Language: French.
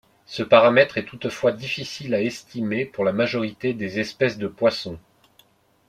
Ce paramètre est toutefois difficile à estimer pour la majorité des espèces de poisson.